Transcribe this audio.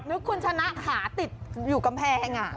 คุณชนะขาติดอยู่กำแพง